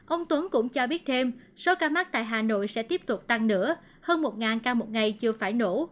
ông tuấn cũng cho biết thêm số ca mắc tại hà nội sẽ tiếp tục tăng nữa hơn một ca một ngày chưa phải nổ